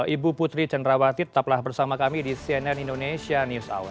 ibu putri cenrawati tetaplah bersama kami di cnn indonesia news hour